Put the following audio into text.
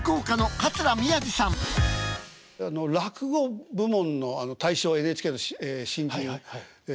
落語部門の大賞ＮＨＫの新人ええ。